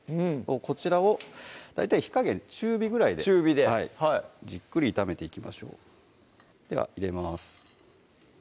こちらを大体火加減中火ぐらいで中火ではいじっくり炒めていきましょうでは入れます